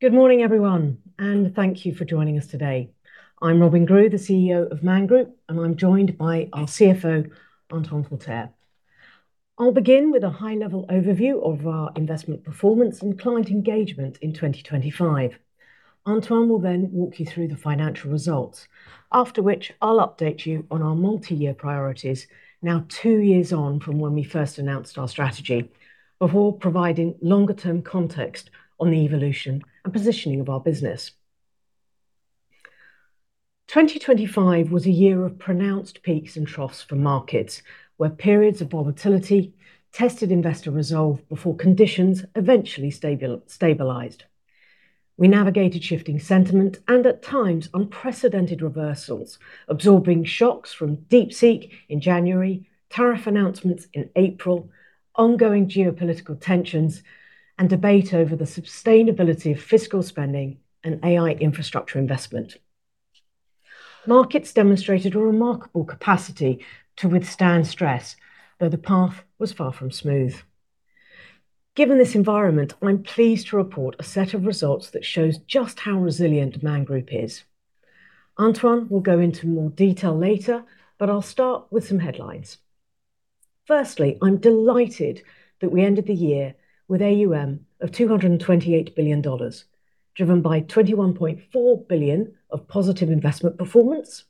Good morning, everyone. Thank you for joining us today. I'm Robyn Grew, the CEO of Man Group, and I'm joined by our CFO, Antoine Forterre. I'll begin with a high-level overview of our investment performance and client engagement in 2025. Antoine will walk you through the financial results, after which I'll update you on our multi-year priorities, now two years on from when we first announced our strategy, before providing longer-term context on the evolution and positioning of our business. 2025 was a year of pronounced peaks and troughs for markets, where periods of volatility tested investor resolve before conditions eventually stabilized. We navigated shifting sentiment and, at times, unprecedented reversals, absorbing shocks from DeepSeek in January, tariff announcements in April, ongoing geopolitical tensions, and debate over the sustainability of fiscal spending and AI infrastructure investment. Markets demonstrated a remarkable capacity to withstand stress, though the path was far from smooth. Given this environment, I'm pleased to report a set of results that shows just how resilient Man Group is. Antoine will go into more detail later, but I'll start with some headlines. I'm delighted that we ended the year with AUM of $228 billion, driven by $21.4 billion of positive investment performance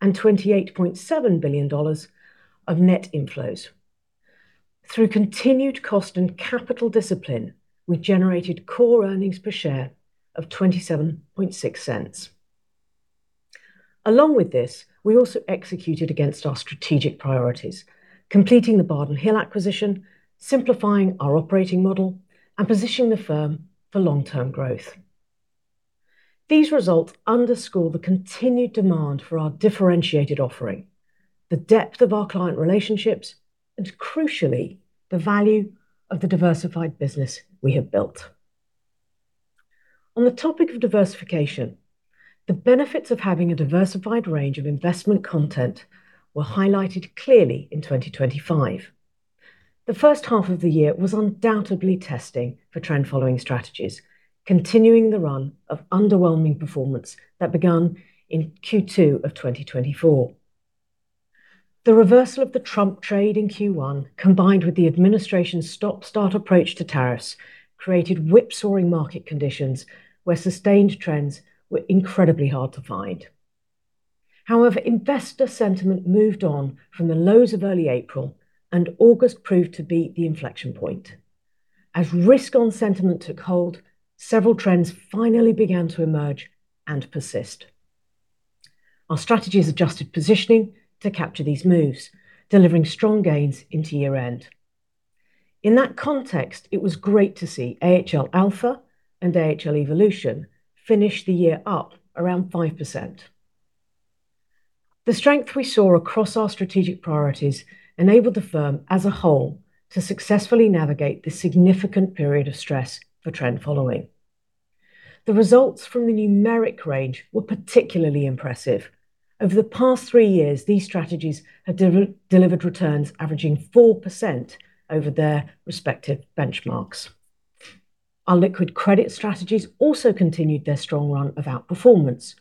and $28.7 billion of net inflows. Through continued cost and capital discipline, we generated core earnings per share of $0.276. We also executed against our strategic priorities, completing the Bardin Hill acquisition, simplifying our operating model, and positioning the firm for long-term growth. These results underscore the continued demand for our differentiated offering, the depth of our client relationships, and crucially, the value of the diversified business we have built. On the topic of diversification, the benefits of having a diversified range of investment content were highlighted clearly in 2025. The first half of the year was undoubtedly testing for trend-following strategies, continuing the run of underwhelming performance that began in Q2 of 2024. The reversal of the Trump trade in Q1, combined with the administration's stop-start approach to tariffs, created whipsawing market conditions where sustained trends were incredibly hard to find. However, investor sentiment moved on from the lows of early April, and August proved to be the inflection point. As risk-on sentiment took hold, several trends finally began to emerge and persist. Our strategies adjusted positioning to capture these moves, delivering strong gains into year-end. In that context, it was great to see AHL Alpha and AHL Evolution finish the year up around 5%. The strength we saw across our strategic priorities enabled the firm as a whole to successfully navigate this significant period of stress for trend following. The results from the numeric range were particularly impressive. Over the past three years, these strategies have delivered returns averaging 4% over their respective benchmarks. Our liquid credit strategies also continued their strong run of outperformance,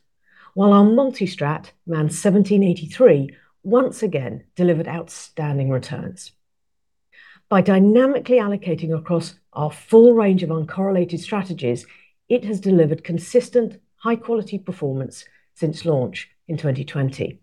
while our multi-strat, Man 1783, once again delivered outstanding returns. By dynamically allocating across our full range of uncorrelated strategies, it has delivered consistent, high-quality performance since launch in 2020.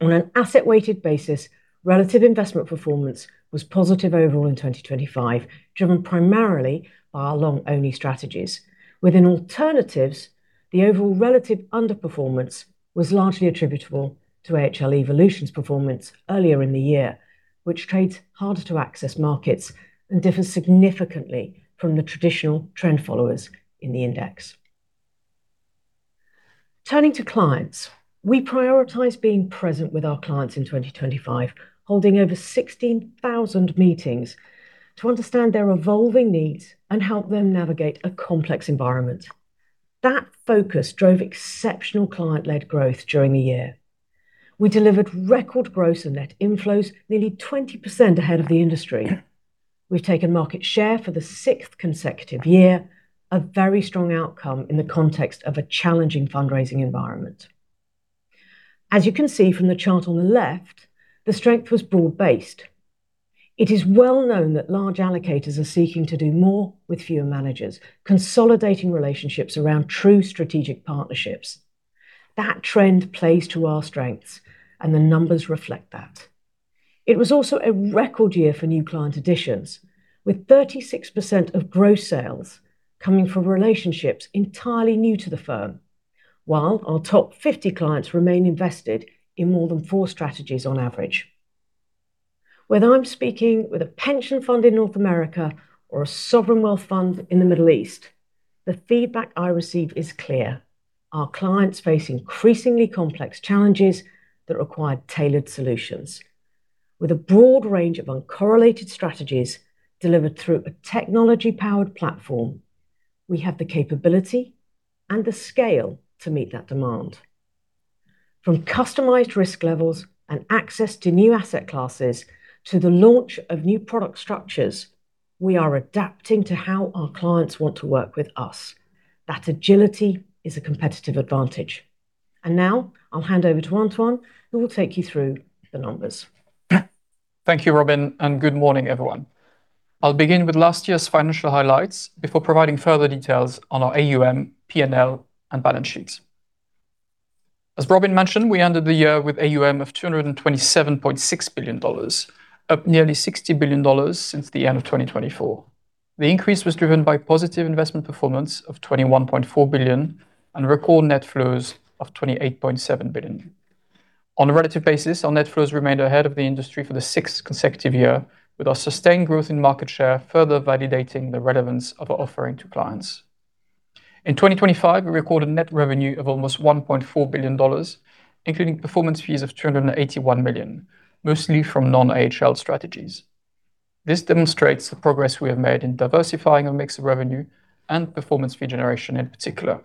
On an asset-weighted basis, relative investment performance was positive overall in 2025, driven primarily by our long-only strategies. Within alternatives, the overall relative underperformance was largely attributable to AHL Evolution's performance earlier in the year, which trades harder to access markets and differs significantly from the traditional trend followers in the index. Turning to clients, we prioritized being present with our clients in 2025, holding over 16,000 meetings to understand their evolving needs and help them navigate a complex environment. That focus drove exceptional client-led growth during the year. We delivered record gross and net inflows, nearly 20% ahead of the industry. We've taken market share for the sixth consecutive year, a very strong outcome in the context of a challenging fundraising environment. You can see from the chart on the left, the strength was broad-based. It is well known that large allocators are seeking to do more with fewer managers, consolidating relationships around true strategic partnerships. That trend plays to our strengths, and the numbers reflect that. It was also a record year for new client additions, with 36% of gross sales coming from relationships entirely new to the firm, while our top 50 clients remain invested in more than four strategies on average. Whether I'm speaking with a pension fund in North America or a sovereign wealth fund in the Middle East, the feedback I receive is clear: Our clients face increasingly complex challenges that require tailored solutions. With a broad range of uncorrelated strategies delivered through a technology-powered platform, we have the capability and the scale to meet that demand. From customized risk levels and access to new asset classes, to the launch of new product structures, we are adapting to how our clients want to work with us. That agility is a competitive advantage. Now I'll hand over to Antoine, who will take you through the numbers. Thank you, Robyn, and good morning, everyone. I'll begin with last year's financial highlights before providing further details on our AUM, P&L, and balance sheets. As Robyn mentioned, we ended the year with AUM of $227.6 billion, up nearly $60 billion since the end of 2024. The increase was driven by positive investment performance of $21.4 billion and record net flows of $28.7 billion. On a relative basis, our net flows remained ahead of the industry for the 6th consecutive year, with our sustained growth in market share further validating the relevance of our offering to clients. In 2025, we recorded net revenue of almost $1.4 billion, including performance fees of $281 million, mostly from non-AHL strategies. This demonstrates the progress we have made in diversifying our mix of revenue and performance fee generation in particular.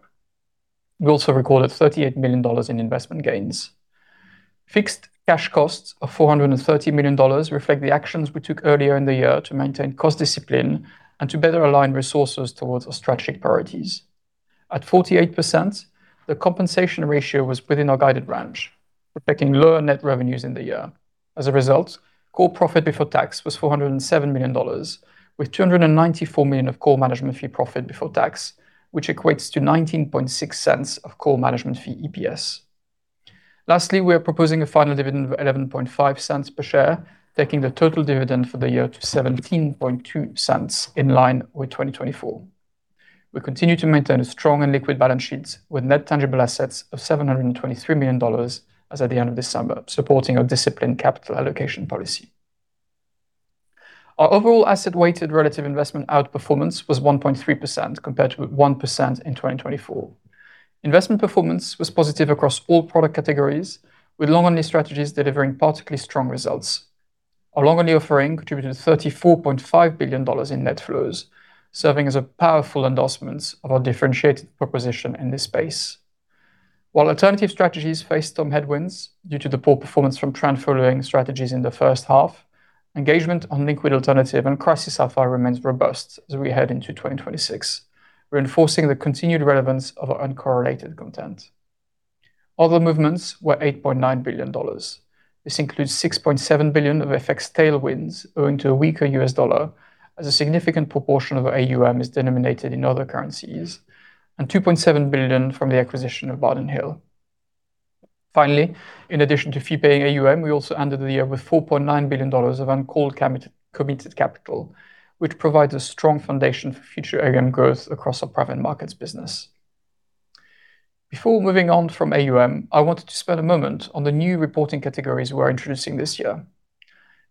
We also recorded $38 million in investment gains. Fixed cash costs of $430 million reflect the actions we took earlier in the year to maintain cost discipline and to better align resources towards our strategic priorities. At 48%, the compensation ratio was within our guided range, reflecting lower net revenues in the year. As a result, core profit before tax was $407 million, with $294 million of core management fee profit before tax, which equates to $0.196 of core management fee EPS. Lastly, we are proposing a final dividend of $0.115 per share, taking the total dividend for the year to $0.172, in line with 2024. We continue to maintain a strong and liquid balance sheet, with net tangible assets of $723 million as at the end of December, supporting our disciplined capital allocation policy. Our overall asset-weighted relative investment outperformance was 1.3%, compared to 1% in 2024. Investment performance was positive across all product categories, with long-only strategies delivering particularly strong results. Our long-only offering contributed $34.5 billion in net flows, serving as a powerful endorsement of our differentiated proposition in this space. While alternative strategies faced some headwinds due to the poor performance from trend following strategies in the first half, engagement on liquid alternative and crisis alpha remains robust as we head into 2026, reinforcing the continued relevance of our uncorrelated content. Other movements were $8.9 billion. This includes $6.7 billion of FX tailwinds, owing to a weaker U.S. dollar, as a significant proportion of our AUM is denominated in other currencies, and $2.7 billion from the acquisition of Bardin Hill. In addition to fee-paying AUM, we also ended the year with $4.9 billion of uncalled committed capital, which provides a strong foundation for future AUM growth across our private markets business. Before moving on from AUM, I wanted to spend a moment on the new reporting categories we're introducing this year.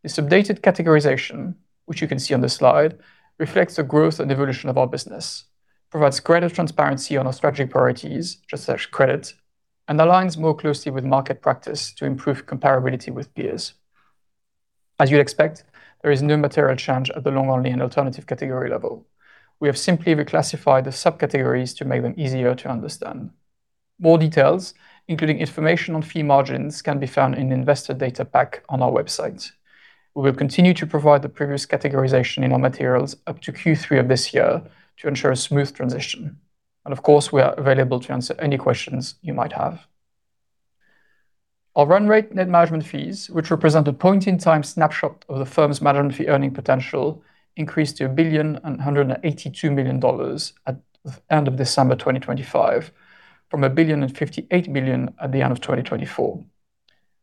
This updated categorization, which you can see on the slide, reflects the growth and evolution of our business, provides greater transparency on our strategic priorities, such as credit, and aligns more closely with market practice to improve comparability with peers. As you'd expect, there is no material change at the long-only and alternative category level. We have simply reclassified the subcategories to make them easier to understand. More details, including information on fee margins, can be found in the investor data pack on our website. We will continue to provide the previous categorization in our materials up to Q3 of this year to ensure a smooth transition, and of course, we are available to answer any questions you might have. Our run rate net management fees, which represent a point-in-time snapshot of the firm's management fee earning potential, increased to $1,182 million at the end of December 2025, from $1,058 million at the end of 2024.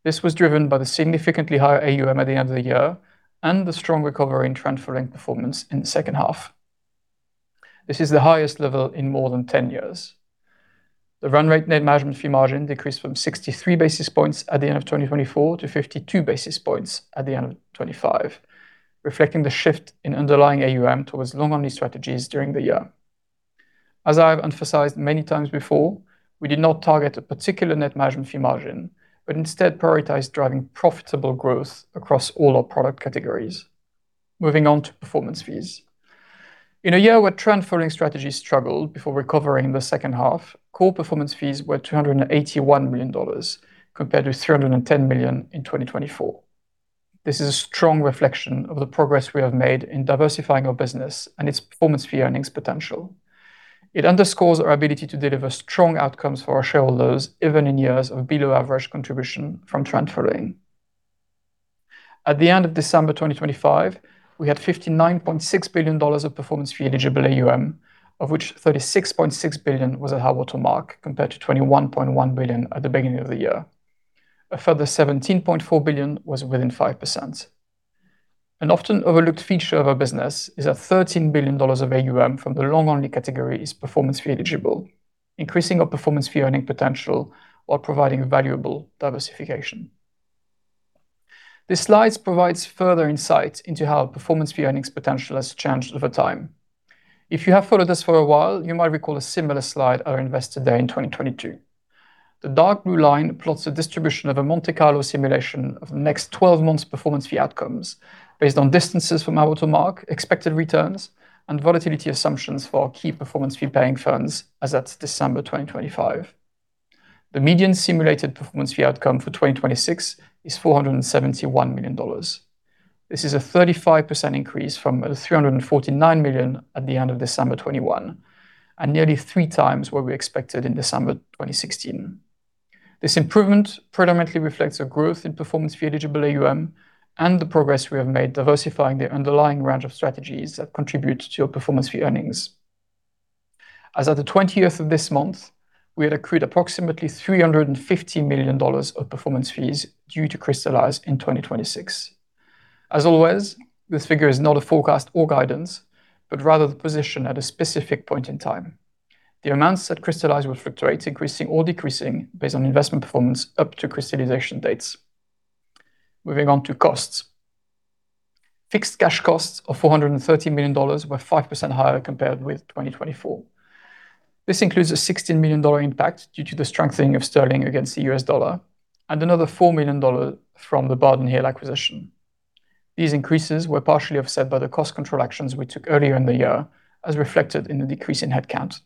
This was driven by the significantly higher AUM at the end of the year and the strong recovery in trend following performance in the second half. This is the highest level in more than 10 years. The run rate net management fee margin decreased from 63 basis points at the end of 2024 to 52 basis points at the end of 2025, reflecting the shift in underlying AUM towards long-only strategies during the year. As I've emphasized many times before, we did not target a particular net management fee margin, but instead prioritized driving profitable growth across all our product categories. Moving on to performance fees. In a year where trend following strategies struggled before recovering in the second half, core performance fees were $281 million, compared to $310 million in 2024. This is a strong reflection of the progress we have made in diversifying our business and its performance fee earnings potential. It underscores our ability to deliver strong outcomes for our shareholders, even in years of below-average contribution from trend following. At the end of December 2025, we had $59.6 billion of performance fee eligible AUM, of which $36.6 billion was at high-water mark, compared to $21.1 billion at the beginning of the year. A further $17.4 billion was within 5%. An often overlooked feature of our business is that $13 billion of AUM from the long-only category is performance fee eligible, increasing our performance fee earning potential while providing valuable diversification. This slide provides further insight into how our performance fee earnings potential has changed over time. If you have followed us for a while, you might recall a similar slide at our Investor Day in 2022. The dark blue line plots the distribution of a Monte Carlo simulation of the next 12 months performance fee outcomes based on distances from our water mark, expected returns, and volatility assumptions for our key performance fee-paying funds as at December 2025. The median simulated performance fee outcome for 2026 is $471 million. This is a 35% increase from the $349 million at the end of December 2021, and nearly 3x what we expected in December 2016. This improvement predominantly reflects a growth in performance fee eligible AUM and the progress we have made diversifying the underlying range of strategies that contribute to your performance fee earnings. As at the 20th of this month, we had accrued approximately $350 million of performance fees due to crystallize in 2026. As always, this figure is not a forecast or guidance, but rather the position at a specific point in time. The amounts that crystallize will fluctuate, increasing or decreasing based on investment performance up to crystallization dates. Moving on to costs. Fixed cash costs of $430 million were 5% higher compared with 2024. This includes a $16 million impact due to the strengthening of sterling against the U.S. dollar, and another $4 million from the Bardin Hill acquisition. These increases were partially offset by the cost control actions we took earlier in the year, as reflected in the decrease in headcount.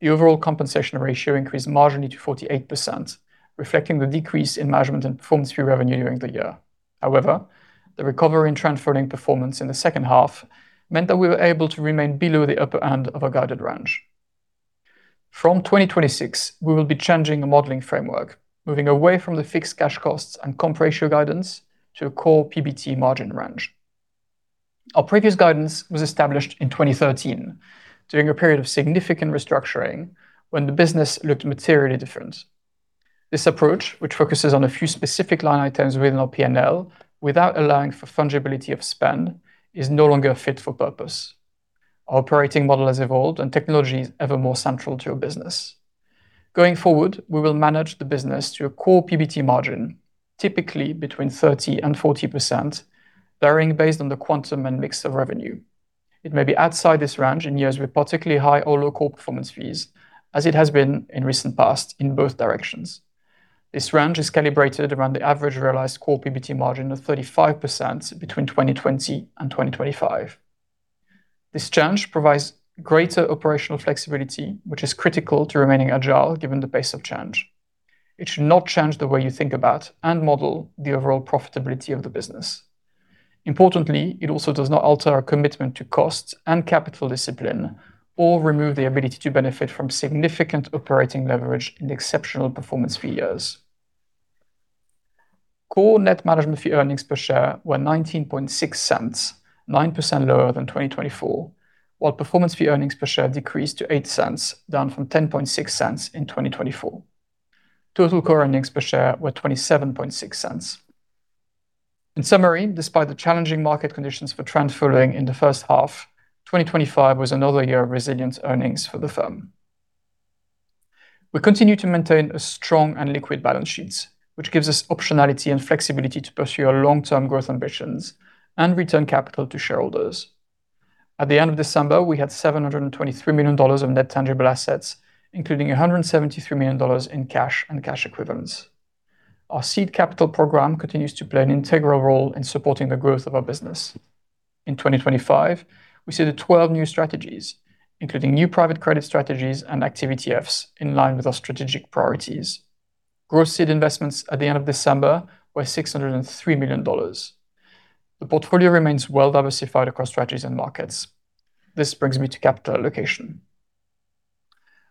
The overall compensation ratio increased marginally to 48%, reflecting the decrease in management and performance fee revenue during the year. However, the recovery in trend following performance in the second half meant that we were able to remain below the upper end of our guided range. From 2026, we will be changing the modeling framework, moving away from the fixed cash costs and comp ratio guidance to a core PBT margin range. Our previous guidance was established in 2013, during a period of significant restructuring when the business looked materially different. This approach, which focuses on a few specific line items within our P&L, without allowing for fungibility of spend, is no longer fit for purpose. Our operating model has evolved, and technology is ever more central to our business. Going forward, we will manage the business to a core PBT margin, typically between 30% and 40%, varying based on the quantum and mix of revenue. It may be outside this range in years with particularly high or low core performance fees, as it has been in recent past in both directions. This range is calibrated around the average realized core PBT margin of 35% between 2020 and 2025. This change provides greater operational flexibility, which is critical to remaining agile, given the pace of change. It should not change the way you think about and model the overall profitability of the business. Importantly, it also does not alter our commitment to cost and capital discipline or remove the ability to benefit from significant operating leverage in exceptional performance fee years. Core net management fee earnings per share were $0.196, 9% lower than 2024, while performance fee earnings per share decreased to $0.08, down from $0.106 in 2024. Total core earnings per share were $0.276. In summary, despite the challenging market conditions for trend following in the first half, 2025 was another year of resilient earnings for the firm. We continue to maintain a strong and liquid balance sheet, which gives us optionality and flexibility to pursue our long-term growth ambitions and return capital to shareholders. At the end of December, we had $723 million of net tangible assets, including $173 million in cash and cash equivalents. Our seed capital program continues to play an integral role in supporting the growth of our business. In 2025, we seeded 12 new strategies, including new private credit strategies and active ETFs in line with our strategic priorities. Gross seed investments at the end of December were $603 million. The portfolio remains well diversified across strategies and markets. This brings me to capital allocation.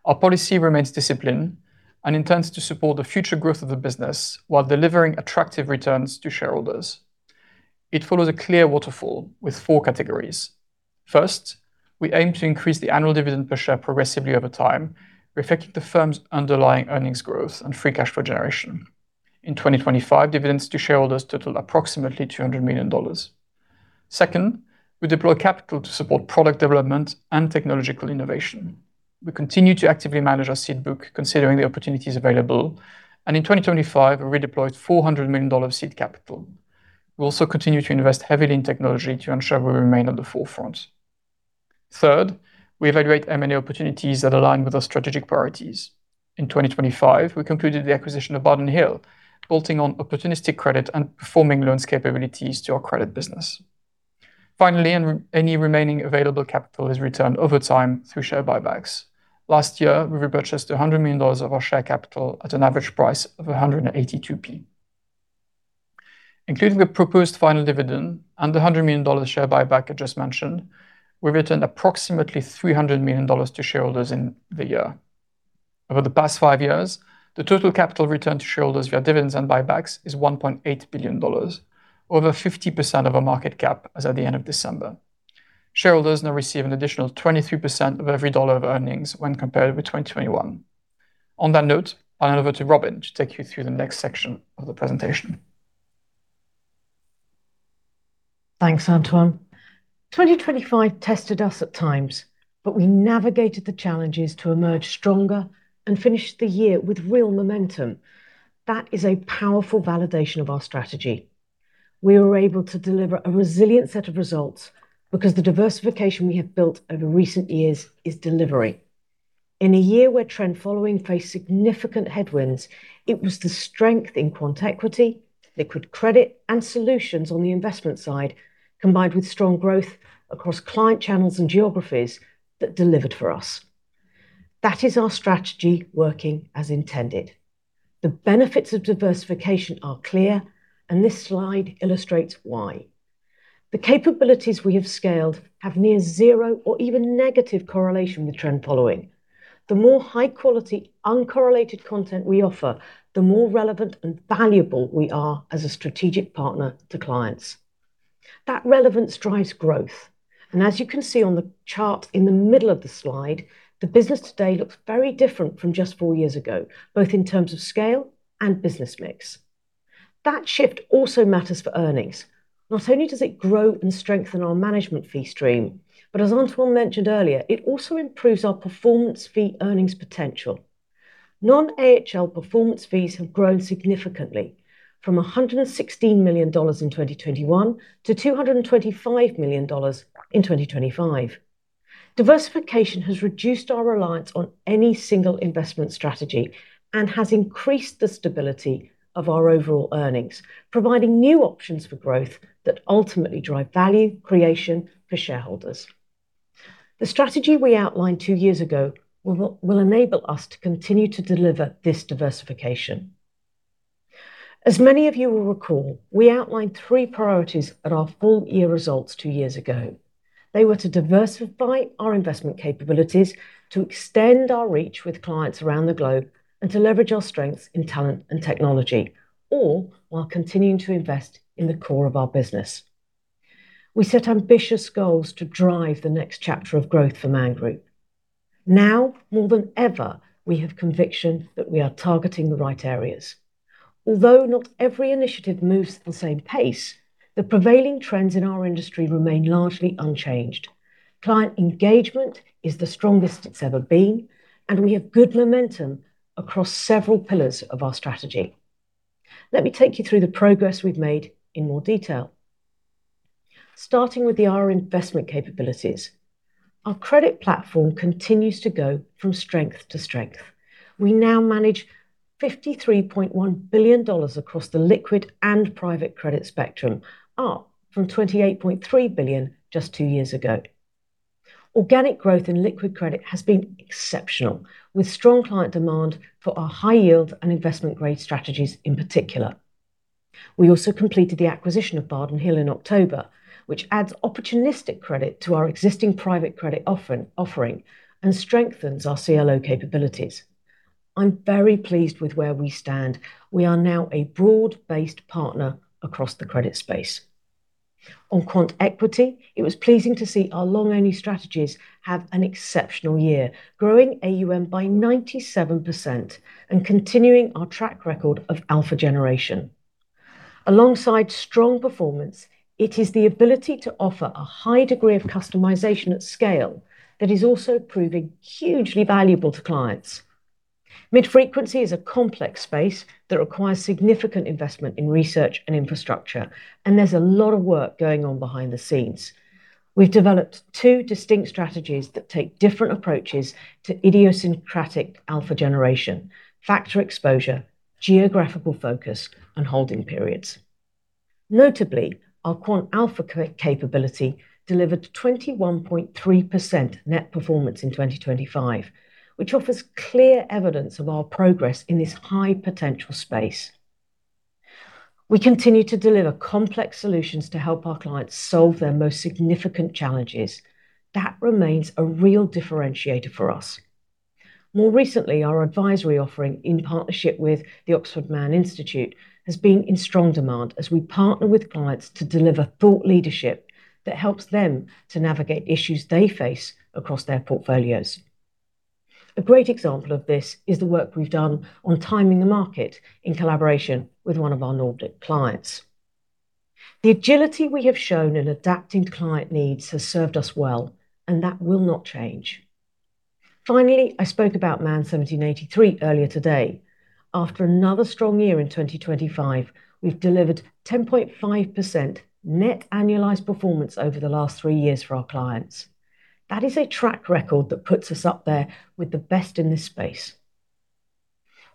Our policy remains disciplined and intends to support the future growth of the business while delivering attractive returns to shareholders. It follows a clear waterfall with four categories. First, we aim to increase the annual dividend per share progressively over time, reflecting the firm's underlying earnings growth and free cash flow generation. In 2025, dividends to shareholders totaled approximately $200 million. Second, we deploy capital to support product development and technological innovation. We continue to actively manage our seed book, considering the opportunities available, and in 2025, we redeployed $400 million of seed capital. We also continue to invest heavily in technology to ensure we remain at the forefront. Third, we evaluate M&A opportunities that align with our strategic priorities. In 2025, we concluded the acquisition of Bardin Hill, bolting on opportunistic credit and performing loans capabilities to our credit business. Finally, any remaining available capital is returned over time through share buybacks. Last year, we repurchased $100 million of our share capital at an average price of 182. Including the proposed final dividend and the $100 million share buyback I just mentioned, we returned approximately $300 million to shareholders in the year. Over the past five years, the total capital return to shareholders via dividends and buybacks is $1.8 billion, over 50% of our market cap as at the end of December. Shareholders now receive an additional 23% of every dollar of earnings when compared with 2021. On that note, I'll hand over to Robyn to take you through the next section of the presentation. Thanks, Antoine. 2025 tested us at times. We navigated the challenges to emerge stronger and finished the year with real momentum. That is a powerful validation of our strategy. We were able to deliver a resilient set of results because the diversification we have built over recent years is delivering. In a year where Trend Following faced significant headwinds, it was the strength in quant, liquid credit and solutions on the investment side, combined with strong growth across client channels and geographies that delivered for us. That is our strategy working as intended. The benefits of diversification are clear. This slide illustrates why. The capabilities we have scaled have near zero or even negative correlation with Trend Following. The more high quality, uncorrelated content we offer, the more relevant and valuable we are as a strategic partner to clients. That relevance drives growth, and as you can see on the chart in the middle of the slide, the business today looks very different from just four years ago, both in terms of scale and business mix. That shift also matters for earnings. Not only does it grow and strengthen our management fee stream, but as Antoine mentioned earlier, it also improves our performance fee earnings potential. Non-AHL performance fees have grown significantly, from $116 million in 2021 to $225 million in 2025. Diversification has reduced our reliance on any single investment strategy and has increased the stability of our overall earnings, providing new options for growth that ultimately drive value creation for shareholders. The strategy we outlined two years ago will enable us to continue to deliver this diversification. As many of you will recall, we outlined three priorities at our full year results two years ago. They were to diversify our investment capabilities, to extend our reach with clients around the globe, and to leverage our strengths in talent and technology, all while continuing to invest in the core of our business. We set ambitious goals to drive the next chapter of growth for Man Group. Now, more than ever, we have conviction that we are targeting the right areas. Although not every initiative moves at the same pace, the prevailing trends in our industry remain largely unchanged. Client engagement is the strongest it's ever been, and we have good momentum across several pillars of our strategy. Let me take you through the progress we've made in more detail. Starting with our investment capabilities, our credit platform continues to go from strength to strength. We now manage $53.1 billion across the liquid and private credit spectrum, up from $28.3 billion just two years ago. Organic growth in liquid credit has been exceptional, with strong client demand for our high yield and investment grade strategies in particular. We also completed the acquisition of Bardin Hill in October, which adds opportunistic credit to our existing private credit offering and strengthens our CLO capabilities. I'm very pleased with where we stand. We are now a broad-based partner across the credit space. On quant equity, it was pleasing to see our long-only strategies have an exceptional year, growing AUM by 97% and continuing our track record of alpha generation. Alongside strong performance, it is the ability to offer a high degree of customization at scale that is also proving hugely valuable to clients. Mid-frequency is a complex space that requires significant investment in research and infrastructure, and there's a lot of work going on behind the scenes. We've developed two distinct strategies that take different approaches to idiosyncratic alpha generation, factor exposure, geographical focus, and holding periods. Notably, our quant alpha capability delivered 21.3% net performance in 2025, which offers clear evidence of our progress in this high potential space. We continue to deliver complex solutions to help our clients solve their most significant challenges. That remains a real differentiator for us. More recently, our advisory offering, in partnership with the Oxford-Man Institute, has been in strong demand as we partner with clients to deliver thought leadership that helps them to navigate issues they face across their portfolios. A great example of this is the work we've done on timing the market in collaboration with one of our Nordic clients. The agility we have shown in adapting to client needs has served us well, that will not change. Finally, I spoke about Man 1783 earlier today. After another strong year in 2025, we've delivered 10.5% net annualized performance over the last three years for our clients. That is a track record that puts us up there with the best in this space.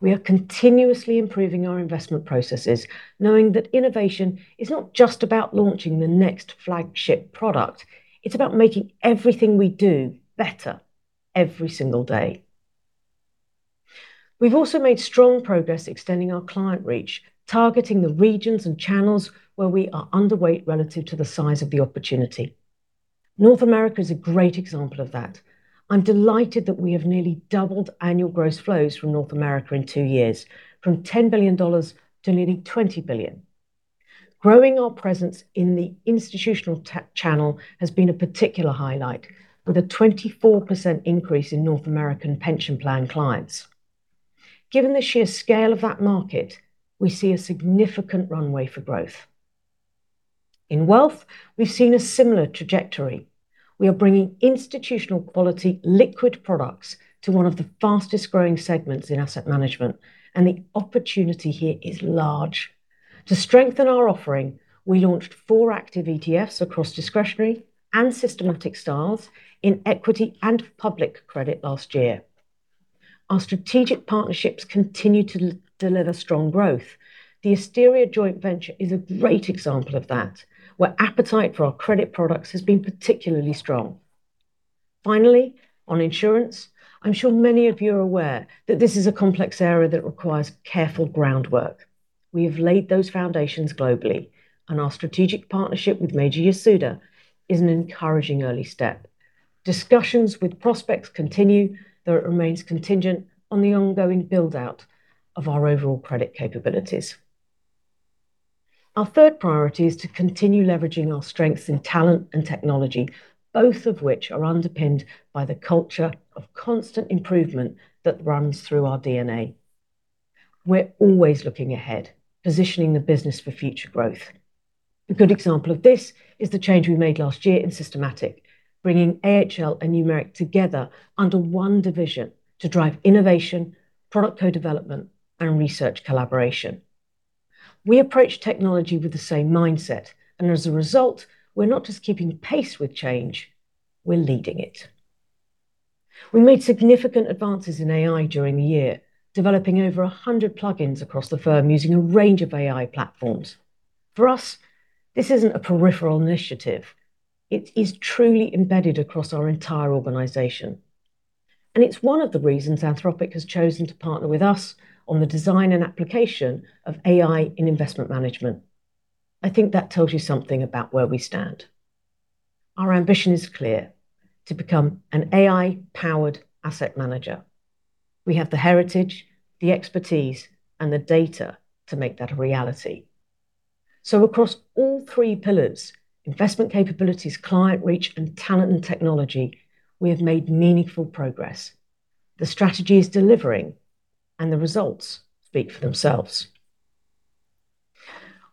We are continuously improving our investment processes, knowing that innovation is not just about launching the next flagship product, it's about making everything we do better every single day. We've also made strong progress extending our client reach, targeting the regions and channels where we are underweight relative to the size of the opportunity. North America is a great example of that. I'm delighted that we have nearly doubled annual gross flows from North America in two years, from $10 billion to nearly $20 billion. Growing our presence in the institutional channel has been a particular highlight, with a 24% increase in North American pension plan clients. Given the sheer scale of that market, we see a significant runway for growth. In wealth, we've seen a similar trajectory. We are bringing institutional quality liquid products to one of the fastest growing segments in asset management, and the opportunity here is large. To strengthen our offering, we launched four active ETFs across discretionary and systematic styles in equity and public credit last year. Our strategic partnerships continue to deliver strong growth. The Asteria joint venture is a great example of that, where appetite for our credit products has been particularly strong. On insurance, I'm sure many of you are aware that this is a complex area that requires careful groundwork. We have laid those foundations globally, our strategic partnership with Meiji Yasuda is an encouraging early step. Discussions with prospects continue, though it remains contingent on the ongoing build-out of our overall credit capabilities. Our third priority is to continue leveraging our strengths in talent and technology, both of which are underpinned by the culture of constant improvement that runs through our DNA. We're always looking ahead, positioning the business for future growth. A good example of this is the change we made last year in systematic, bringing AHL and Numeric together under one division to drive innovation, product co-development, and research collaboration. We approach technology with the same mindset, as a result, we're not just keeping pace with change, we're leading it. We made significant advances in AI during the year, developing over 100 plugins across the firm using a range of AI platforms. For us, this isn't a peripheral initiative; it is truly embedded across our entire organization, and it's one of the reasons Anthropic has chosen to partner with us on the design and application of AI in investment management. I think that tells you something about where we stand. Our ambition is clear: to become an AI-powered asset manager. We have the heritage, the expertise, and the data to make that a reality. Across all 3 pillars, investment capabilities, client reach, and talent and technology, we have made meaningful progress. The strategy is delivering, and the results speak for themselves.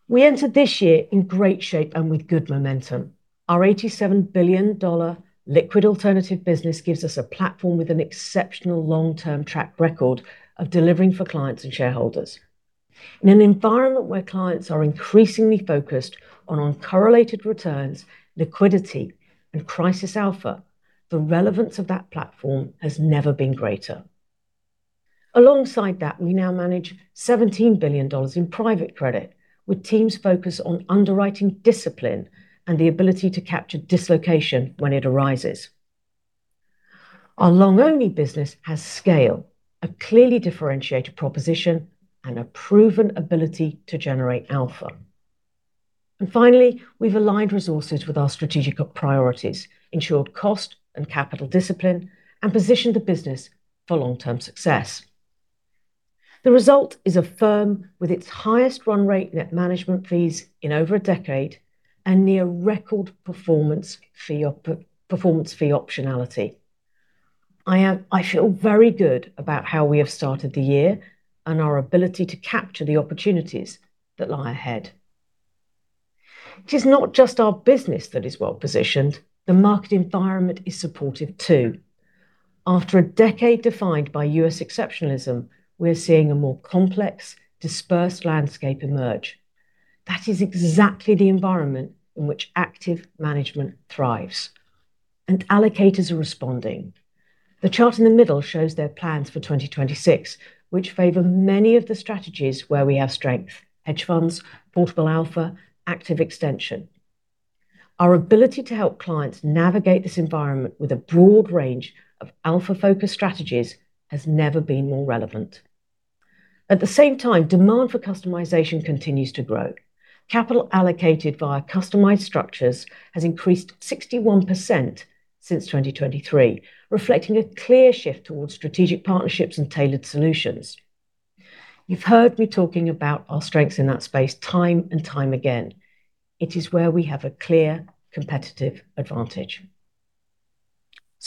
We entered this year in great shape and with good momentum. Our $87 billion liquid alternative business gives us a platform with an exceptional long-term track record of delivering for clients and shareholders. In an environment where clients are increasingly focused on uncorrelated returns, liquidity, and crisis alpha, the relevance of that platform has never been greater. Alongside that, we now manage $17 billion in private credit, with teams focused on underwriting discipline and the ability to capture dislocation when it arises. Our long-only business has scale, a clearly differentiated proposition, and a proven ability to generate alpha. Finally, we've aligned resources with our strategic priorities, ensured cost and capital discipline, and positioned the business for long-term success. The result is a firm with its highest run rate net management fees in over a decade and near record performance fee optionality. I feel very good about how we have started the year and our ability to capture the opportunities that lie ahead. It is not just our business that is well positioned, the market environment is supportive, too. After a decade defined by U.S. exceptionalism, we're seeing a more complex, dispersed landscape emerge. That is exactly the environment in which active management thrives. Allocators are responding. The chart in the middle shows their plans for 2026, which favor many of the strategies where we have strength: hedge funds, portable alpha, active extension. Our ability to help clients navigate this environment with a broad range of alpha-focused strategies has never been more relevant. At the same time, demand for customization continues to grow. Capital allocated via customized structures has increased 61% since 2023, reflecting a clear shift towards strategic partnerships and tailored solutions. You've heard me talking about our strengths in that space time and time again. It is where we have a clear competitive advantage.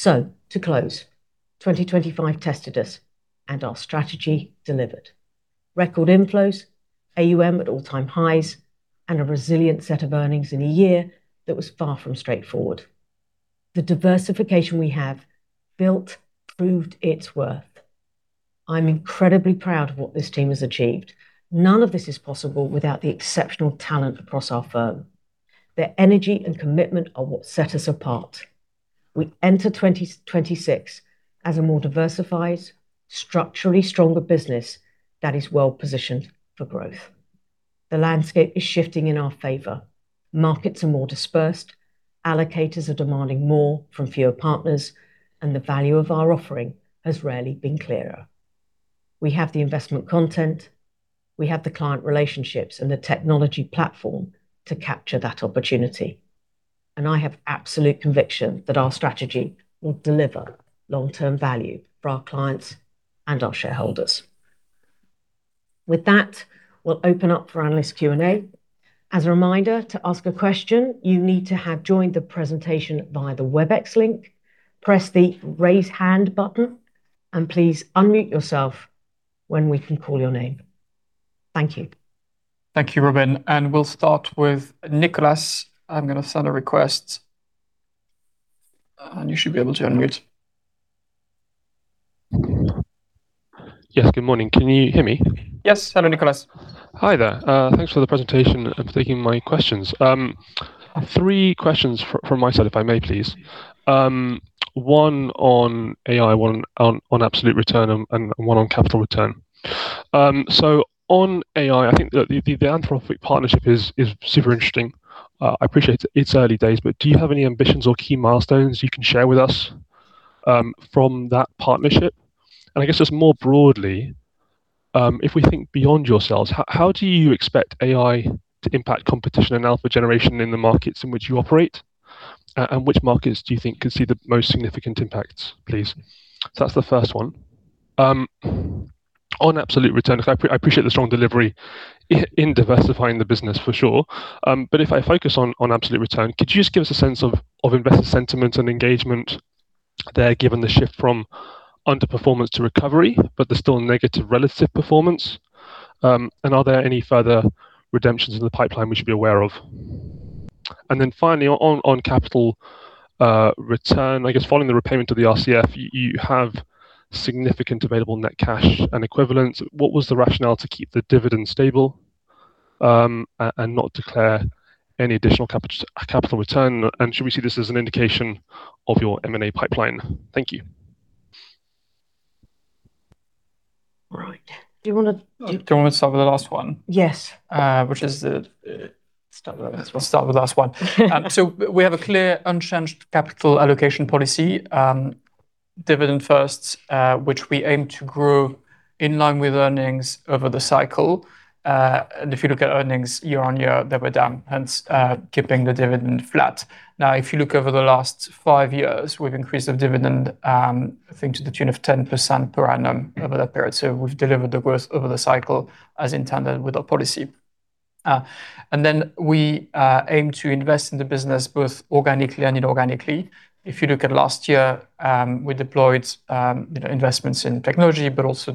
To close, 2025 tested us, and our strategy delivered. Record inflows, AUM at all-time highs, and a resilient set of earnings in a year that was far from straightforward. The diversification we have built proved its worth. I'm incredibly proud of what this team has achieved. None of this is possible without the exceptional talent across our firm. Their energy and commitment are what set us apart. We enter 2026 as a more diversified, structurally stronger business that is well positioned for growth. The landscape is shifting in our favor. Markets are more dispersed, allocators are demanding more from fewer partners, and the value of our offering has rarely been clearer. We have the investment content, we have the client relationships, and the technology platform to capture that opportunity, and I have absolute conviction that our strategy will deliver long-term value for our clients and our shareholders. With that, we'll open up for analyst Q&A. As a reminder, to ask a question, you need to have joined the presentation via the WebEx link. Press the Raise Hand button, and please unmute yourself when we can call your name. Thank you. Thank you, Robyn, and we'll start with Nicholas. I'm going to send a request, and you should be able to unmute. Yes, good morning. Can you hear me? Yes. Hello, Nicholas. Hi there. Thanks for the presentation and taking my questions. Three questions from my side, if I may please. One on AI, one on absolute return, and one on capital return. On AI, I think the Anthropic partnership is super interesting. I appreciate it's early days, but do you have any ambitions or key milestones you can share with us from that partnership? I guess just more broadly, if we think beyond yourselves, how do you expect AI to impact competition and alpha generation in the markets in which you operate? Which markets do you think could see the most significant impacts, please? That's the first one. On absolute return, I appreciate the strong delivery in diversifying the business for sure. If I focus on absolute return, could you just give us a sense of investor sentiment and engagement there, given the shift from underperformance to recovery, but there's still negative relative performance? Are there any further redemptions in the pipeline we should be aware of? Finally, on capital return, I guess following the repayment of the RCF, you have significant available net cash and equivalents. What was the rationale to keep the dividend stable, and not declare any additional capital return? Should we see this as an indication of your M&A pipeline? Thank you. Right. Do you wanna? Do you want me to start with the last one? Yes. Which is the-- Start with that as well. We'll start with the last one. We have a clear, unchanged capital allocation policy. Dividend first, which we aim to grow in line with earnings over the cycle. If you look at earnings year-on-year, they were down, hence, keeping the dividend flat. Now, if you look over the last five years, we've increased our dividend, I think to the tune of 10% per annum over that period. We've delivered the growth over the cycle as intended with our policy. We aim to invest in the business both organically and inorganically. If you look at last year, we deployed, you know, investments in technology, but also,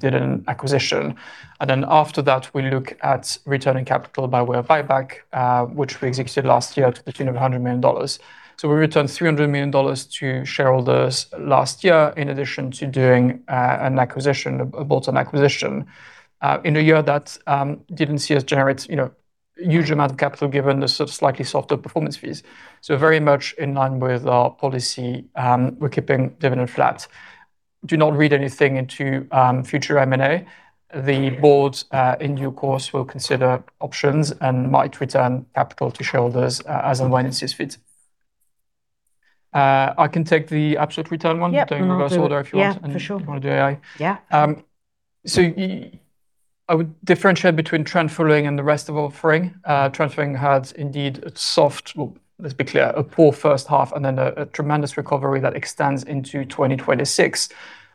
did an acquisition. After that, we look at returning capital by way of buyback, which we executed last year to the tune of $100 million. We returned $300 million to shareholders last year, in addition to doing an acquisition, a bottom acquisition. In a year that didn't see us generate, you know, huge amount of capital given the sort of slightly softer performance fees. Very much in line with our policy, we're keeping dividend flat. Do not read anything into future M&A. The board, in due course, will consider options and might return capital to shareholders as and when it sees fit. I can take the absolute return one. Doing reverse order, if you want. Yeah, for sure. You want to do AI? Yeah. I would differentiate between trend following and the rest of offering. Trend following had indeed a soft. Well, let's be clear, a poor first half and then a tremendous recovery that extends into 2026.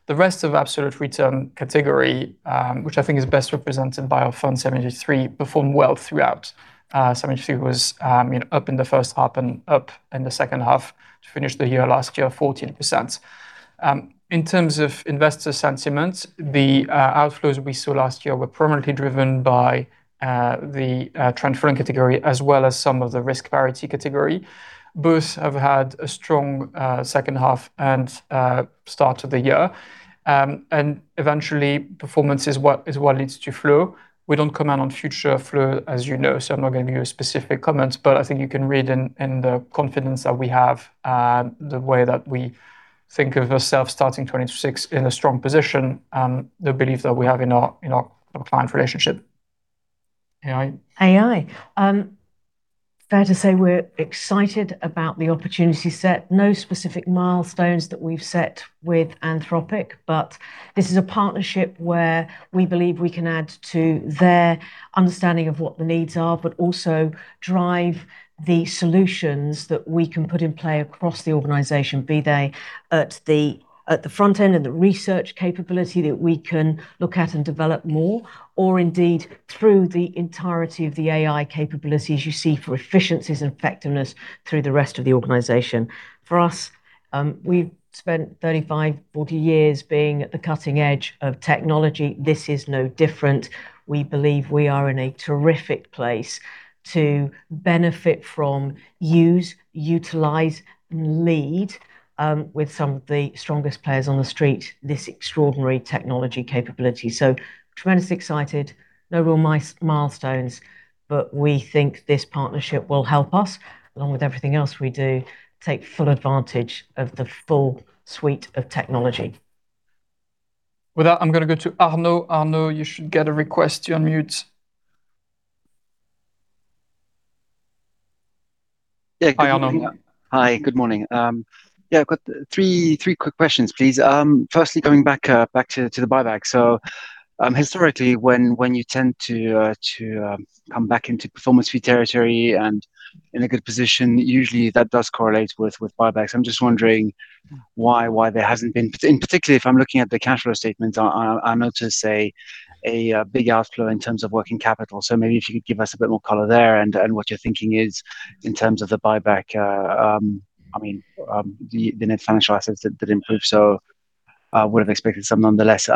The rest of absolute return category, which I think is best represented by our Man 1783, performed well throughout. 73 was up in the first half and up in the second half to finish the year, last year, 14%. In terms of investor sentiment, the outflows we saw last year were permanently driven by the trend following category, as well as some of the risk parity category. Both have had a strong second half and start to the year. Eventually, performance is what leads to flow. We don't comment on future flow, as you know, so I'm not going to give you specific comments, but I think you can read in the confidence that we have, the way that we think of ourselves starting 2026 in a strong position, the belief that we have in our, in our client relationship. AI? AI. Fair to say we're excited about the opportunity set. No specific milestones that we've set with Anthropic, but this is a partnership where we believe we can add to their understanding of what the needs are, but also drive the solutions that we can put in play across the organization, be they at the front end and the research capability that we can look at and develop more, or indeed, through the entirety of the AI capabilities you see for efficiencies and effectiveness through the rest of the organization. For us, we've spent 35, 40 years being at the cutting edge of technology. This is no different. We believe we are in a terrific place to benefit from, use, utilize, and lead, with some of the strongest players on the street, this extraordinary technology capability. Tremendously excited, no real milestones, but we think this partnership will help us, along with everything else we do, take full advantage of the full suite of technology. With that, I'm going to go to Arno. Arno, you should get a request to unmute. Hi, Arno. Hi, good morning. Yeah, I've got three quick questions, please. Firstly, going back to the buyback. Historically, when you tend to come back into performance fee territory and in a good position, usually that does correlate with buybacks. I'm just wondering why there hasn't been-- In particular, if I'm looking at the cash flow statement, I notice a big outflow in terms of working capital. Maybe if you could give us a bit more color there and what your thinking is in terms of the buyback. I mean, the net financial assets did improve, so I would have expected some nonetheless.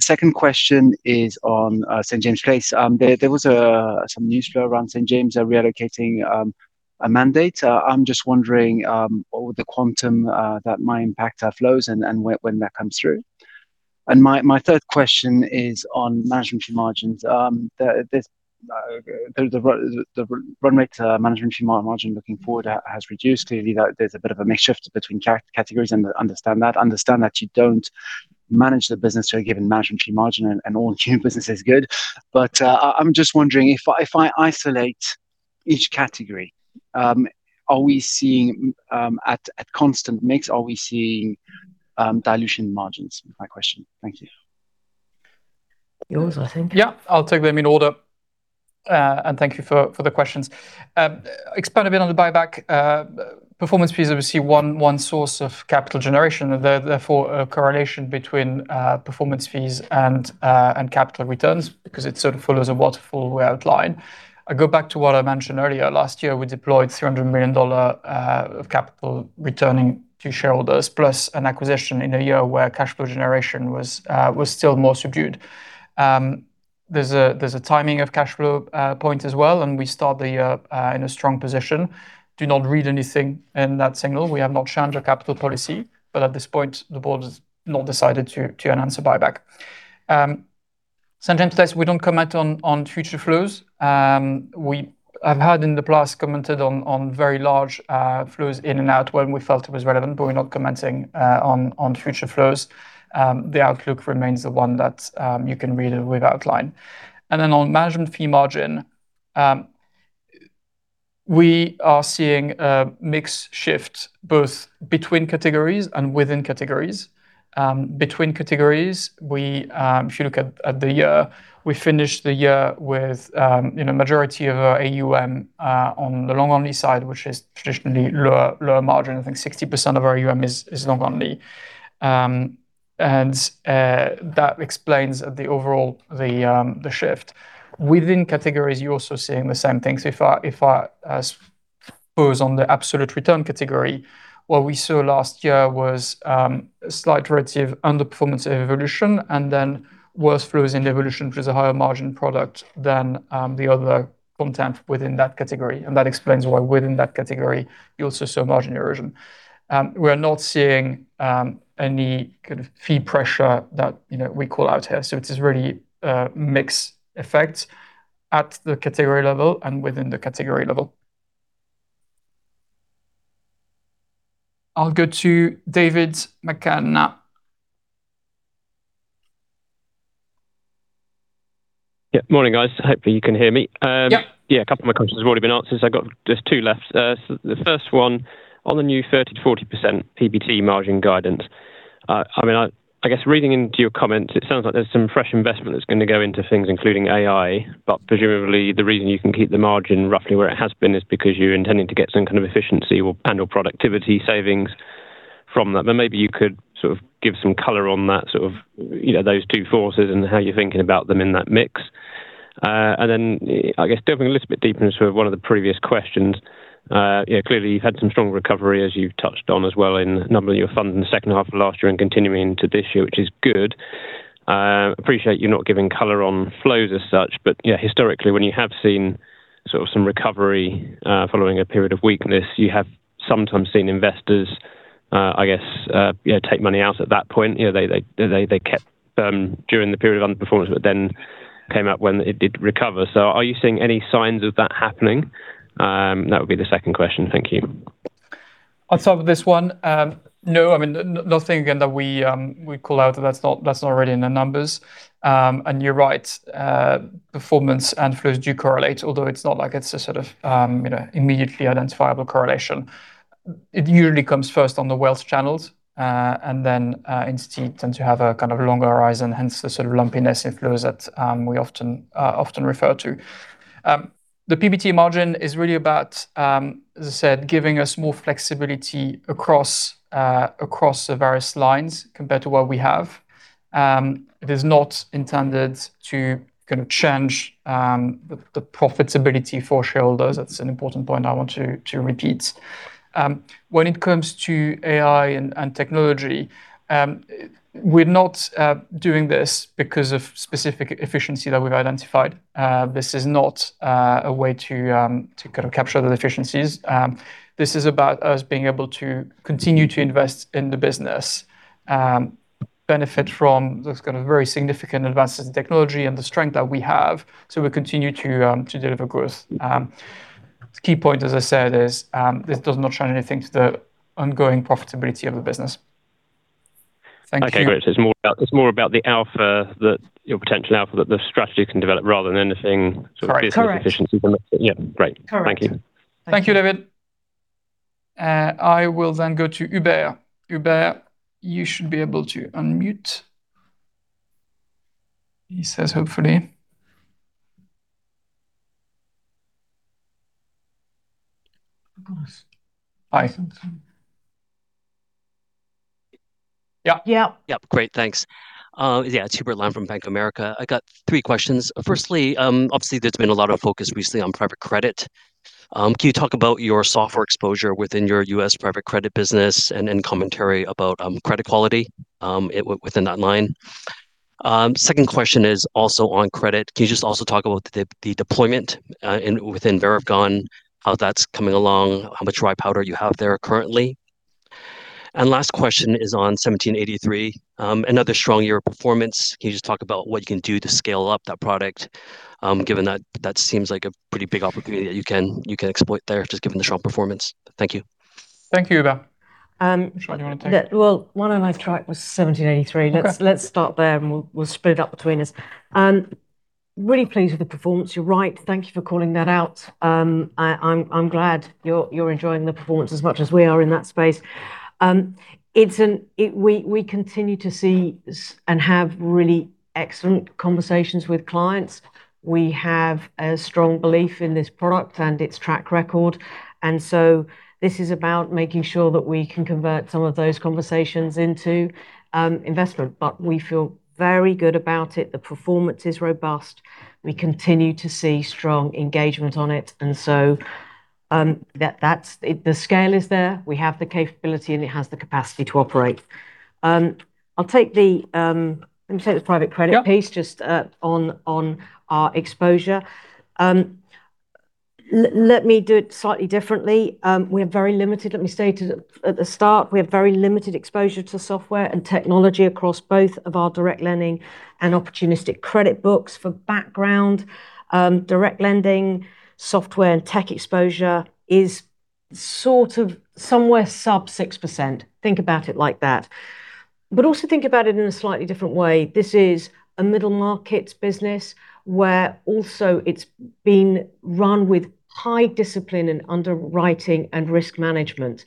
Second question is on St. James's Place. There was some news flow around St. James's, reallocating a mandate. I'm just wondering, what would the quantum that might impact our flows and when that comes through? My third question is on management fee margins. The run rate management fee margin looking forward has reduced. Clearly, there's a bit of a mix shift between categories, and I understand that. Understand that you don't manage the business to a given management fee margin, and all business is good. I'm just wondering, if I isolate each category, are we seeing, at constant mix, are we seeing, dilution margins? My question. Thank you. Yours, I think. Yeah, I'll take them in order. Thank you for the questions. Expand a bit on the buyback. Performance fees, obviously, one source of capital generation. Therefore, a correlation between performance fees and capital returns because it sort of follows a waterfall outline. I go back to what I mentioned earlier. Last year, we deployed $300 million of capital returning to shareholders, plus an acquisition in a year where cash flow generation was still more subdued. There's a timing of cash flow point as well, and we start the year in a strong position. Do not read anything in that signal. We have not changed our capital policy, but at this point, the board has not decided to announce a buyback. Sometimes we don't comment on future flows. I've heard in the past, commented on very large flows in and out when we felt it was relevant, but we're not commenting on future flows. The outlook remains the one that you can read it with outline. On management fee margin, we are seeing a mix shift both between categories and within categories. Between categories, we, if you look at the year, we finished the year with, you know, majority of our AUM on the long-only side, which is traditionally lower margin. I think 60% of our AUM is long-only. That explains the overall the shift. Within categories, you're also seeing the same things. If I suppose on the absolute return category, what we saw last year was a slight relative underperformance of Evolution and then worse flows in Evolution, which is a higher margin product than the other content within that category. That explains why within that category, you also saw margin erosion. We're not seeing any kind of fee pressure that, you know, we call out here. It is really a mix effect at the category level and within the category level. I'll go to David McCann. Yeah. Morning, guys. Hopefully, you can hear me. Yep. Yeah, a couple of my questions have already been answered, so I've got just two left. The first one, on the new 30%-40% PBT margin guidance, I mean, I guess reading into your comments, it sounds like there's some fresh investment that's going to go into things, including AI. Presumably, the reason you can keep the margin roughly where it has been is because you're intending to get some kind of efficiency or, and/or productivity savings from that. Maybe you could sort of give some color on that sort of, you know, those two forces and how you're thinking about them in that mix. I guess, delving a little bit deeper into one of the previous questions, yeah, clearly, you've had some strong recovery, as you've touched on as well in a number of your funds in the second half of last year and continuing into this year, which is good. Appreciate you not giving color on flows as such, yeah, historically, when you have seen sort of some recovery, following a period of weakness, you have sometimes seen investors, I guess, you know, take money out at that point. You know, they kept during the period of underperformance, then came out when it did recover. Are you seeing any signs of that happening? That would be the second question. Thank you. I'll start with this one. No, I mean, nothing, again, that we call out, that's not already in the numbers. You're right, performance and flows do correlate, although it's not like it's a sort of, you know, immediately identifiable correlation. It usually comes first on the wealth channels, then institute tends to have a kind of longer horizon, hence the sort of lumpiness in flows that we often refer to. The PBT margin is really about, as I said, giving us more flexibility across the various lines compared to what we have. It is not intended to kind of change the profitability for shareholders. That's an important point I want to repeat. When it comes to AI and technology, we're not doing this because of specific efficiency that we've identified. This is not a way to kind of capture those efficiencies. This is about us being able to continue to invest in the business, benefit from this kind of very significant advances in technology and the strength that we have, so we continue to deliver growth. Key point, as I said, is, this does not change anything to the ongoing profitability of the business. Thank you. Okay, great. It's more about the alpha that-- Your potential alpha, that the strategy can develop, rather than anything sort of-- Correct. Yeah, great. Thank you. Thank you, David. I will then go to Hubert. Hubert, you should be able to unmute. He says, hopefully. Hi. Yeah. Yeah. Yep, great, thanks. Yeah, it's Hubert Lam from Bank of America. I got three questions. Firstly, obviously, there's been a lot of focus recently on private credit. Can you talk about your software exposure within your U.S. private credit business and commentary about credit quality within that line? Second question is also on credit. Can you just also talk about the deployment within Man Varagon, how that's coming along, how much dry powder you have there currently? Last question is on Man 1783. Another strong year of performance. Can you just talk about what you can do to scale up that product, given that that seems like a pretty big opportunity that you can exploit there, just given the strong performance? Thank you. Thank you, Hubert. Robyn, do you want to take it? Yeah. Well, one I like to try was 1783. Okay. Let's start there, and we'll split it up between us. Really pleased with the performance. You're right. Thank you for calling that out. I'm glad you're enjoying the performance as much as we are in that space. We continue to see and have really excellent conversations with clients. We have a strong belief in this product and its track record. This is about making sure that we can convert some of those conversations into investment. We feel very good about it. The performance is robust. We continue to see strong engagement on it. That's the scale is there, we have the capability, and it has the capacity to operate. I'll take the, let me take the private credit piece just on our exposure. Let me do it slightly differently. Let me state at the start, we have very limited exposure to software and technology across both of our direct lending and opportunistic credit books. For background, direct lending, software and tech exposure is sort of somewhere sub 6%. Think about it like that. Also think about it in a slightly different way. This is a middle market business, where also it's been run with high discipline in underwriting and risk management.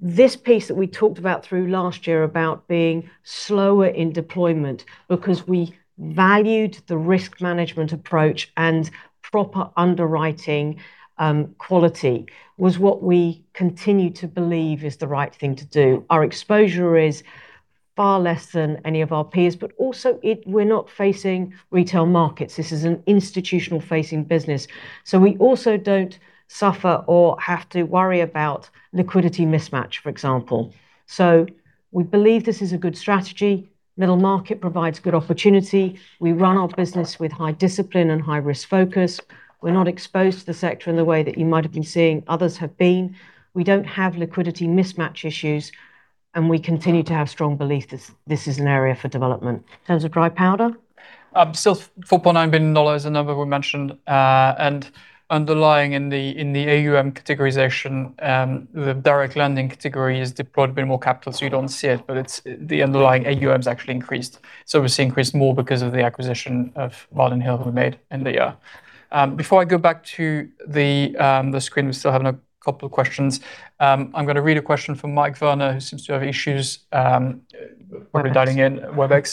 This piece that we talked about through last year about being slower in deployment, because we valued the risk management approach and proper underwriting quality, was what we continue to believe is the right thing to do. Our exposure is far less than any of our peers, but also, we're not facing retail markets. This is an institutional-facing business, so we also don't suffer or have to worry about liquidity mismatch, for example. We believe this is a good strategy. Middle market provides good opportunity. We run our business with high discipline and high-risk focus. We're not exposed to the sector in the way that you might have been seeing others have been. We don't have liquidity mismatch issues, and we continue to have strong belief this is an area for development. In terms of dry powder? Four point nine billion dollars is the number we mentioned. Underlying in the AUM categorization, the direct lending category has deployed a bit more capital, so you don't see it, but it's the underlying AUM has actually increased. Obviously increased more because of the acquisition of Bardin Hill we made earlier. Before I go back to the screen, we still have a couple of questions. I'm going to read a question from Mike Werner, who seems to have issues when we're dialing in Webex.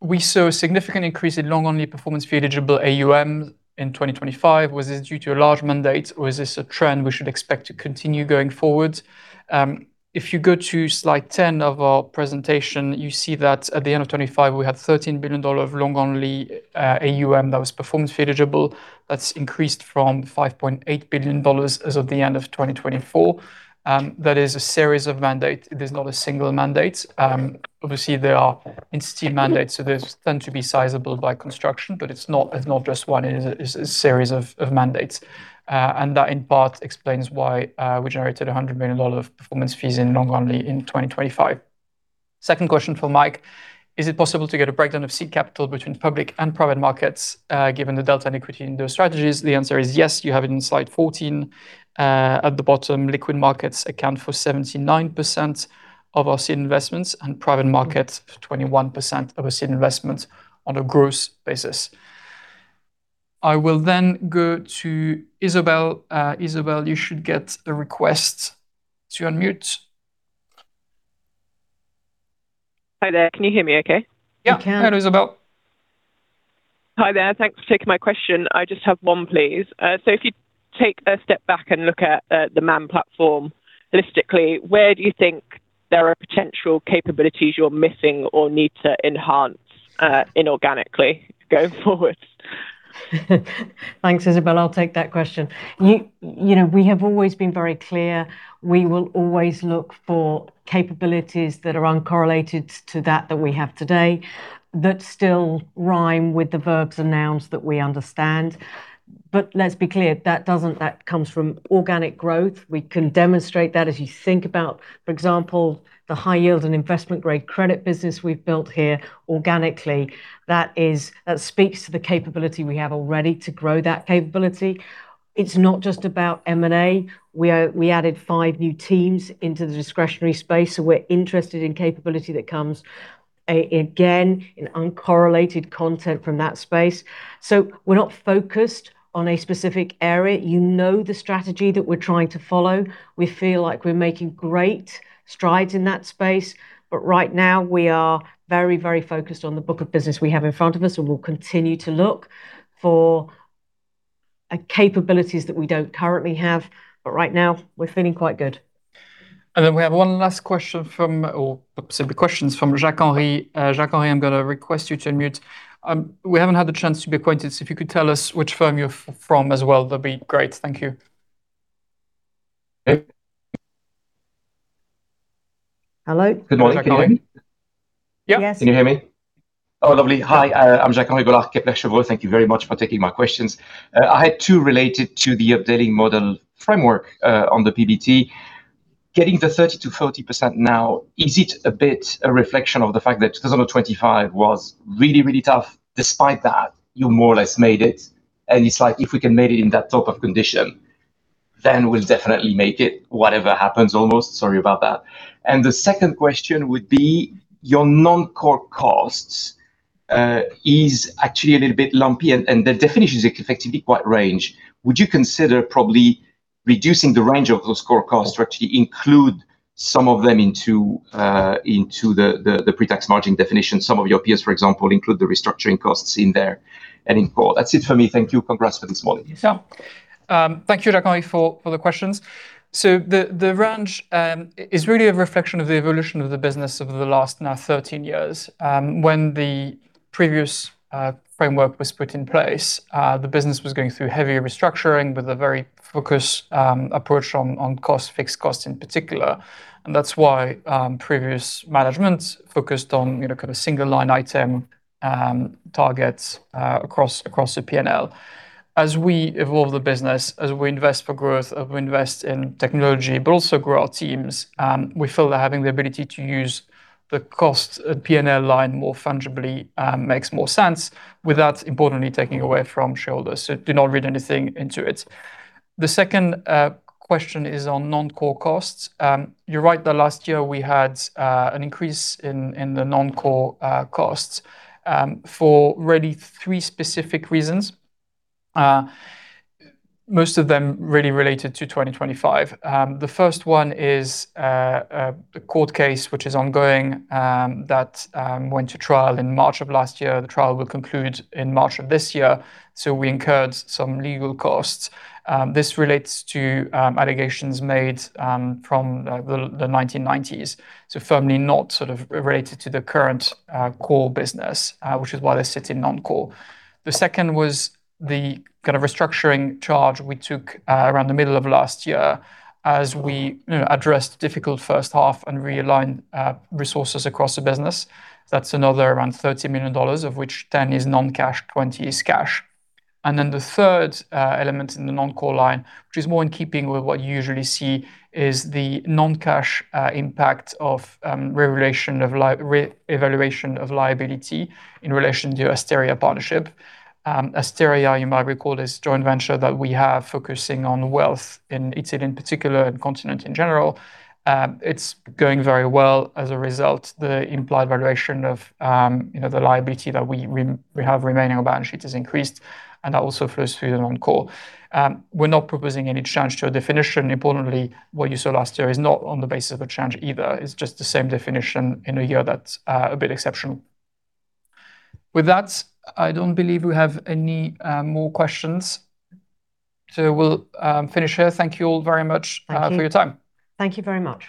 We saw a significant increase in long-only performance fee eligible AUM in 2025. Was this due to a large mandate, or is this a trend we should expect to continue going forward? If you go to slide 10 of our presentation, you see that at the end of 2025, we had $13 billion of long-only AUM that was performance fee eligible. That's increased from $5.8 billion as of the end of 2024. That is a series of mandates. It is not a single mandate. Obviously, there are institute mandates, so there's tend to be sizable by construction, but it's not just one. It is a series of mandates. That, in part, explains why we generated $100 million of performance fees in long only in 2025. Second question from Mike: Is it possible to get a breakdown of seed capital between public and private markets, given the delta and equity in those strategies? The answer is yes. You have it in slide 14. At the bottom, liquid markets account for 79% of our seed investments, and private markets, 21% of our seed investments on a gross basis. I will go to Isabelle. Isabelle, you should get the request to unmute. Hi there. Can you hear me okay? Yeah. We can. Hi, Isabelle. Hi there. Thanks for taking my question. I just have one, please. If you take a step back and look at, the Man platform holistically, where do you think there are potential capabilities you're missing or need to enhance, inorganically going forward? Thanks, Isabelle. I'll take that question. You know, we have always been very clear, we will always look for capabilities that are uncorrelated to that we have today, that still rhyme with the verbs and nouns that we understand. Let's be clear, that comes from organic growth. We can demonstrate that as you think about, for example, the high yield and investment-grade credit business we've built here organically. That speaks to the capability we have already to grow that capability. It's not just about M&A. We added five new teams into the discretionary space, so we're interested in capability that comes, again, in uncorrelated content from that space. We're not focused on a specific area. You know the strategy that we're trying to follow. We feel like we're making great strides in that space, but right now we are very, very focused on the book of business we have in front of us, and we'll continue to look for capabilities that we don't currently have, but right now, we're feeling quite good. We have one last question from, or perhaps several questions from Jacques-Henri. Jacques-Henri, I'm going to request you to unmute. We haven't had the chance to be acquainted, so if you could tell us which firm you're from as well, that'd be great. Thank you. Hello? Good morning. Can you hear me? Yeah. Can you hear me? Oh, lovely. Hi, I'm Jacques-Henri, Kepler Cheuvreux. Thank you very much for taking my questions. I had two related to the updating model framework on the PBT. Getting the 30%-40% now, is it a bit a reflection of the fact that 2025 was really, really tough? Despite that, you more or less made it, and it's like, if we can make it in that type of condition, then we'll definitely make it, whatever happens, almost. Sorry about that. The second question would be, your non-core costs is actually a little bit lumpy, and the definition is effectively quite range. Would you consider probably reducing the range of those core costs to actually include some of them into the pre-tax margin definition? Some of your peers, for example, include the restructuring costs in there and in core. That's it for me. Thank you. Congrats for this morning. Yeah. Thank you, Jacques-Henri, for the questions. The, the range is really a reflection of the evolution of the business over the last now 13 years. When the previous framework was put in place, the business was going through heavy restructuring with a very focused approach on cost, fixed costs in particular. That's why previous management focused on, you know, kind of single-line item targets across the P&L. As we evolve the business, as we invest for growth, as we invest in technology, but also grow our teams, we feel that having the ability to use the cost at P&L line more fungibly makes more sense without importantly, taking away from shareholders. Do not read anything into it. The second question is on non-core costs. You're right that last year we had an increase in the non-core costs for really three specific reasons, most of them really related to 2025. The first one is the court case, which is ongoing, that went to trial in March of last year. The trial will conclude in March of this year, so we incurred some legal costs. This relates to allegations made from the 1990s. Firmly not sort of related to the current core business, which is why they sit in non-core. The second was the kind of restructuring charge we took around the middle of last year as we, you know, addressed difficult first half and realigned resources across the business. That's another around $30 million, of which $10 million is non-cash, $20 million is cash. The third element in the non-core line, which is more in keeping with what you usually see, is the non-cash impact of re-evaluation of liability in relation to Asteria partnership. Asteria, you might recall, is joint venture that we have focusing on wealth in Italy in particular, and continent in general. It's going very well. As a result, the implied valuation of, you know, the liability that we have remaining on our balance sheet has increased, and that also flows through the non-core. We're not proposing any change to a definition. Importantly, what you saw last year is not on the basis of a change either. It's just the same definition in a year that's a bit exceptional. With that, I don't believe we have any more questions, so we'll finish here. Thank you all very much for your time. Thank you very much.